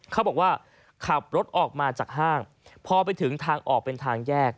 เขาบอกว่าขับรถออกมาจากห้างพอไปถึงทางออกเป็นทางแยก